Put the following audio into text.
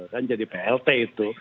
kan jadi plt itu